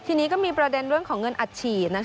ทีนี้ก็มีประเด็นเรื่องของเงินอัดฉีด